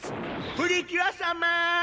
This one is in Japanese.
「プリキュアさまー！」